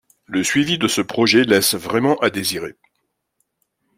Le suivi de ce projet laisse vraiment à désirer.